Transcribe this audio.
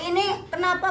sebelum kejadian pami